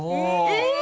え？